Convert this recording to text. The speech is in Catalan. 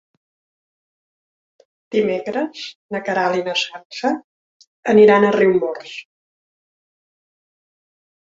Dimecres na Queralt i na Sança aniran a Riumors.